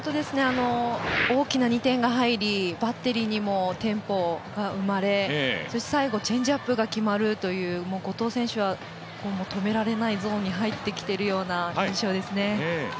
大きな２点が入りバッテリーにもテンポが生まれそして最後、チェンジアップが決まるという後藤選手は、止められないゾーンに入ってきているような印象ですね。